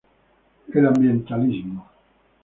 El Ambientalismo.